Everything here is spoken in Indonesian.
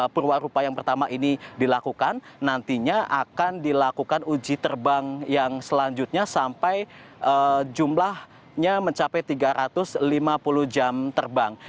perwarupa yang pertama ini dilakukan nantinya akan dilakukan uji terbang yang selanjutnya sampai jumlahnya mencapai tiga ratus lima puluh jam terbang